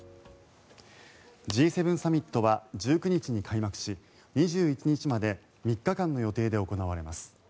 Ｇ７サミットは１９日に開幕し２１日まで３日間の予定で行われます。